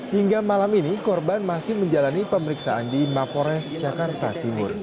hingga malam ini korban masih menjalani pemeriksaan di mapores jakarta timur